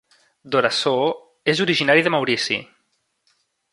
Dhorasoo és originari de Maurici.